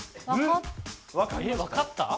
分かった？